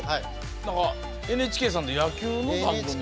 何かＮＨＫさんで野球の番組を。